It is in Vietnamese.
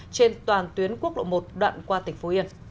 trên toàn tuyến quốc lộ một đoạn qua tỉnh phú yên